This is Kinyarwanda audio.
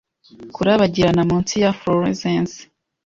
Kurabagirana munsi ya fluorescence